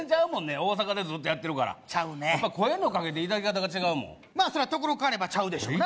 大阪でずっとやってるからちゃうねやっぱ声のかけていただき方が違うもんまあそれはところ変わればちゃうでしょうな